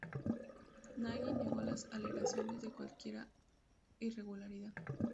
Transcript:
Nagi negó las alegaciones de cualquiera irregularidad.